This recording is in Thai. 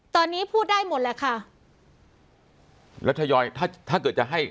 ตอนนี้พูดได้หมดแหละค่ะแล้วทยอยถ้าถ้าเกิดจะให้